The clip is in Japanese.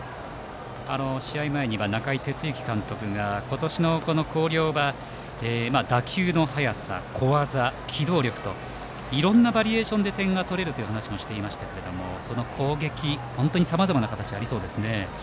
試合前には中井哲之監督が今年の広陵は打球の速さ、小技機動力と、いろいろなバリエーションで点が取れると話していましたがその攻撃、本当にさまざまな形ありそうですね。